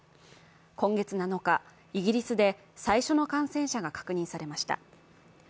今月７日イギリスで最初の感染者が確認されました。